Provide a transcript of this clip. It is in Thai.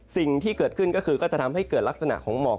สิ่งที่เกิดขึ้นก็คือก็จะทำให้เกิดลักษณะของหมอก